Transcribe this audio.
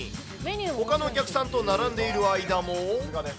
ほかのお客さんと並んでいる間も。